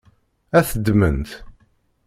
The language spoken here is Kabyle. Ad t-ddment?